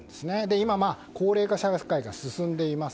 今、高齢化社会が進んでいます。